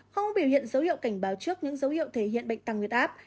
không có biểu hiện dấu hiệu cảnh báo trước những dấu hiệu thể hiện bệnh tăng huyết áp